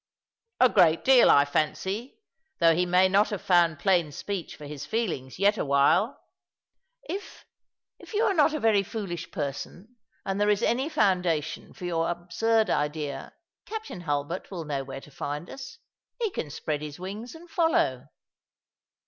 " A great deal, I fancy, though he may not have found ■plain speech for his feelings yet awhile." " If— if you are not a very foolish person, and there i^ ^^ No Sudden Fancy of an Ardent BoyT 207 any foundation for your absurd idea. Captain Hulbert will know where to find us. He can spread his wings and follow."